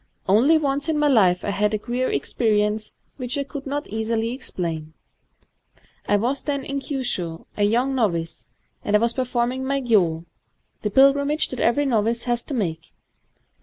" Only once in my life I had a queer experience which I could not easily explain. I was then in Kyushu, — a young novice; and I was performing my gyo, — the pilgrimage that every novice has to make.